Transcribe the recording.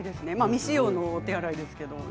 未使用のお手洗いですけれどもね。